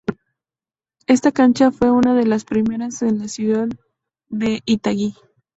Esta cancha fue una de las primeras en la ciudad de Itagüí.